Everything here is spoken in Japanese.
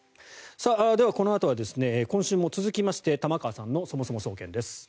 では、このあとは今週も続きまして玉川さんのそもそも総研です。